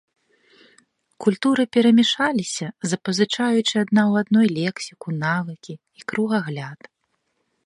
Культуры перамяшаліся, запазычаючы адна ў адной лексіку, навыкі і кругагляд.